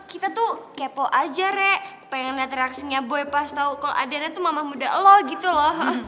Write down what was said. kita tuh kepo aja rek pengen liat reaksinya boy pas tau kalo adriana tuh mamah muda elo gitu loh